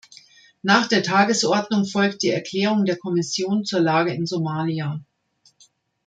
Nach der Tagesordnung folgt die Erklärung der Kommission zur Lage in Somalia.